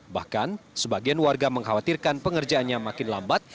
bahkan sebagian warga mengkhawatirkan pengerjaannya makin lambat